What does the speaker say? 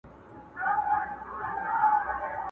ورځ به له سره نیسو تېر به تاریخونه سوځو!